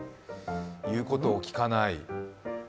言うことをきかない。